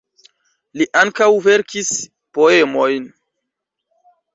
Li ankaŭ verkis poemojn.